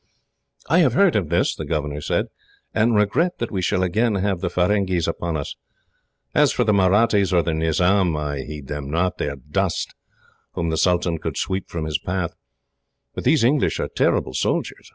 "I have heard of this," the governor said, "and regret that we shall again have the Feringhees upon us. As for the Mahrattis or the Nizam, I heed them not they are dust, whom the sultan could sweep from his path; but these English are terrible soldiers.